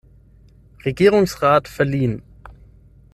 Regierungsrat" verliehen.